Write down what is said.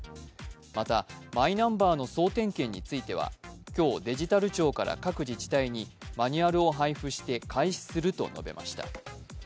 また、マイナンバーの総点検については、今日デジタル庁から各自治体にマニュアルを配布して開始すると述べました。